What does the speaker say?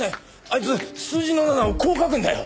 あいつ数字の７をこう書くんだよ。